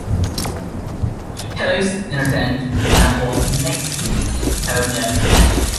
He lives in a tent with McWatt next to Havermeyer's tent.